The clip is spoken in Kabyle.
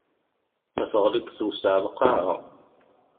Ma teɣliḍ tewseɛ lqaɛa.